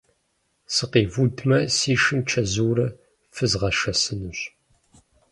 Сыкъивудмэ, си шым чэзуурэ фызгъэшэсынущ.